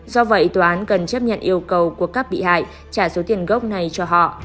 do vậy tòa án cần chấp nhận yêu cầu của các bị hại trả số tiền gốc này cho họ